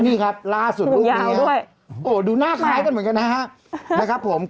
นี่ครับล่าสุดรูปนี้ดูหน้าคล้ายกันเหมือนกันนะครับผม